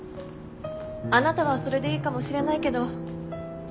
あなたはそれでいいかもしれないけど。